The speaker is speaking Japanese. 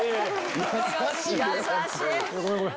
ごめんごめん。